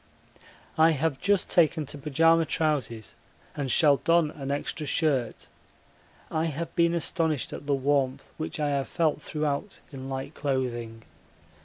I have just taken to pyjama trousers and shall don an extra shirt I have been astonished at the warmth which I have felt throughout in light clothing.